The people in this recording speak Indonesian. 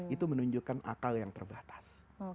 itu menunjukkan akal yang terbatas